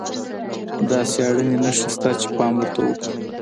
داسې اړينې نښې شته چې پام ورته وکړو.